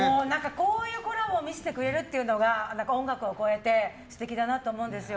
こういうコラボを見せてくれるのが音楽を超えて素敵だなと思うんですよ。